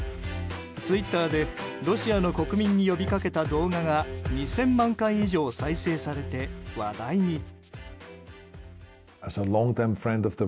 ツイッターでロシアの国民に呼びかけた動画が２０００万回以上再生されて話題に。